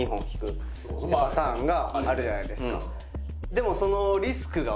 でもその。